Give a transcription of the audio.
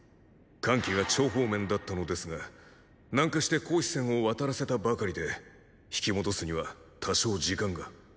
桓騎が趙方面だったのですが南下して黄支川を渡らせたばかりで引き戻すには多少時間が。